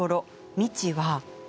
未知は。